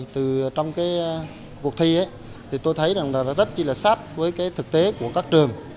trong cuộc thi tôi thấy rất sát với thực tế của các trường